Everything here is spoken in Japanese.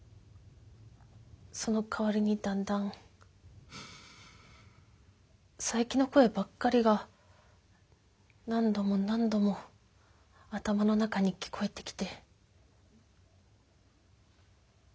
その代わりにだんだん佐伯の声ばっかりが何度も何度も頭の中に聞こえてきて。